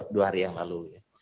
dua hari yang lalu